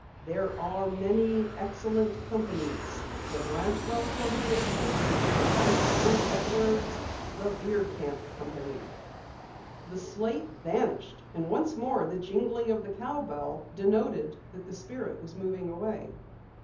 There are many excellent companies the Brantwell Corporation, White and Edwards, the Bierkamp Company." The slate vanished and once more the jingling of the cowbell denoted that the spirit was moving away.